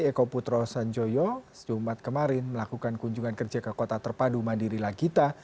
eko putro sanjoyo sejumat kemarin melakukan kunjungan kerja ke kota terpadu mandiri lagita